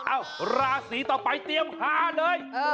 อ้าวราศีต่อไปเตรียมหาเลย